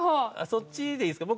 そっちでいいですか？